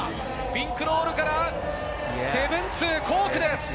ピンクロールから７２０コークです。